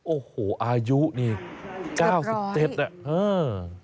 โอ้โหอายุนี่๙๐เจ็บแล้ว